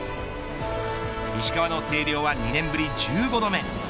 石川の星稜は２年ぶり１５度目。